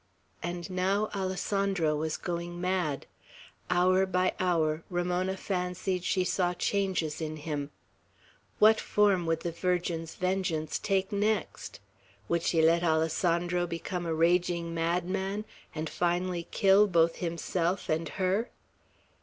And now Alessandro was going mad; hour by hour Ramona fancied she saw changes in him. What form would the Virgin's vengeance take next? Would she let Alessandro become a raging madman, and finally kill both himself and her?